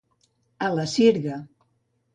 A la sirga.